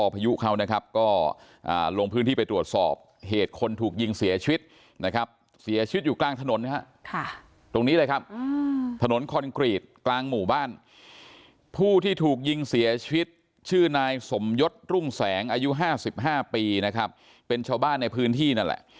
ผู้ที่ถูกยิงเสียชีวิตชื่อนายสมยดรุ่งแสงอายุห้าสิบห้าปีนะครับเป็นชาวบ้านในพื้นที่นั่นแหละ